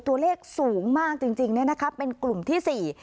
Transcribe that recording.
ตัวเลขสูงมากจริงนะครับเป็นกลุ่มที่๔